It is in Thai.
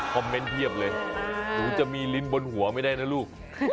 เมนต์เพียบเลยหนูจะมีลิ้นบนหัวไม่ได้นะลูก